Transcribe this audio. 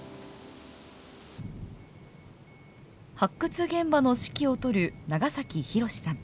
発掘現場の指揮をとる長浩さん。